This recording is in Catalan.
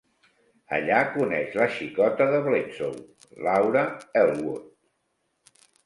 Allà coneix la xicota de Bledsoe, Laura Elwood.